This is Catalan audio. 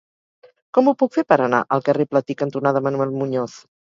Com ho puc fer per anar al carrer Platí cantonada Manuel Muñoz?